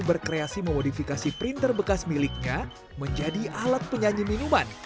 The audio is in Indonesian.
berkreasi memodifikasi printer bekas miliknya menjadi alat penyanyi minuman